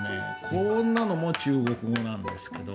こんなのも中国語なんですけど。